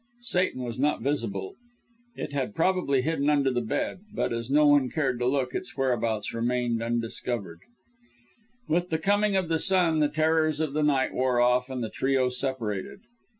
Satan was not visible. It had probably hidden under the bed, but as no one cared to look, its whereabouts remained undiscovered. With the coming of the sun, the terrors of the night wore off, and the trio separated.